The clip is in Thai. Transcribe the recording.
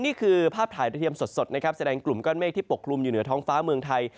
นี่คือภาพถ่ายโดยเทียมสดนะครับแสดงกลุ่มก้อนเมฆที่ปกคลุมอยู่เหนือท้องฟ้าเมืองไทย